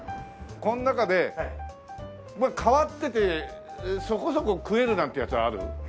この中で変わっててそこそこ食えるなんていうやつある？